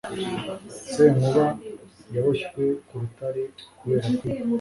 Senkuba yaboshywe ku rutare kubera kwiba